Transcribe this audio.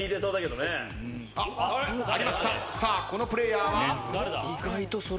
さあこのプレイヤーは。